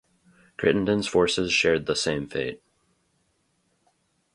Crittenden's forces shared the same fate.